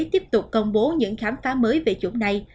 tiếp tục công bố những khám phá mới về chủng này